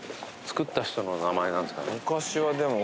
作った人の名前なんですかね？